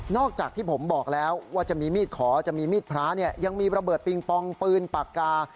อกจากที่ผมบอกแล้วว่าจะมีมีดขอจะมีมีดพระเนี่ยยังมีระเบิดปิงปองปืนปากกา